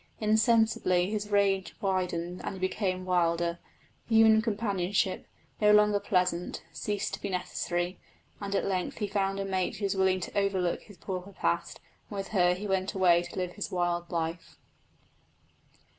Insensibly his range widened and he became wilder. Human companionship, no longer pleasant, ceased to be necessary; and at length he found a mate who was willing to overlook his pauper past, and with her he went away to live his wild life.